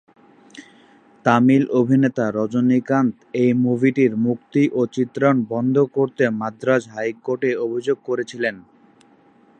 তামিল অভিনেতা রজনীকান্ত এই ছবিটির মুক্তি ও চিত্রায়ন বন্ধ করতে মাদ্রাজ হাইকোর্টে অভিযোগ করেছিলেন।